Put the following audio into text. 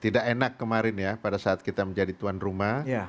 tidak enak kemarin ya pada saat kita menjadi tuan rumah